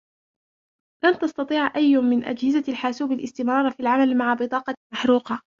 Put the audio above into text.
لن تستطيع أي من أجهزة الحاسوب الاستمرار في العمل مع بطاقة محروقة.